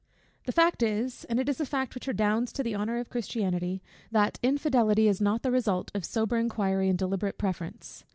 The fact is, and it is a fact which redounds to the honour of Christianity, that infidelity is not the result of sober inquiry and deliberate preference.